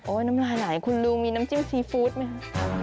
โอ๊ยน้ำลายหลายคุณลูกมีน้ำจิ้มซีฟู้ดไหม